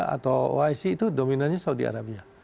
atau wic itu dominannya saudi arabia